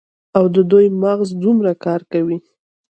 او د دوي مغـز دومـره کـار کـوي.